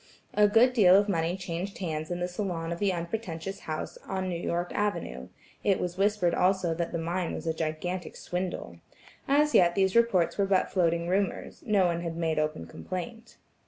A good deal of money changed hands in the salon of the unpretentious house on New York Avenue: it was whispered also that the mine was a gigantic swindle. As yet these reports were but floating rumors; no one had made open complaint.